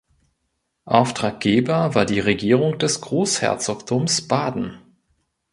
Auftraggeber war die Regierung des Großherzogtums Baden.